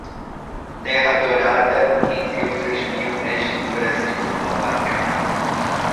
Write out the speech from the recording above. Terra adorada. Entre outras mil, és tu, Brasil, ó Pátria amada